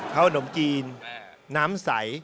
ข้าวหนมกรีนน้ำใส